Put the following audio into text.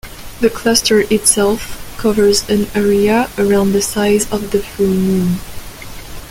The cluster itself covers an area around the size of the full moon.